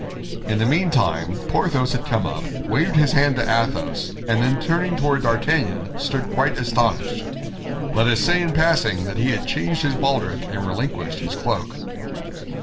In the meantime, Porthos had come up, waved his hand to Athos, and then turning toward D'Artagnan, stood quite astonished. Let us say in passing that he had changed his baldric and relinquished his cloak.